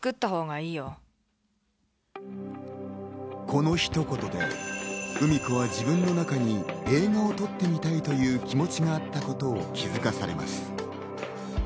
このひと言でうみ子は自分の中に映画を撮ってみたいという気持ちがあったことを気づかされます。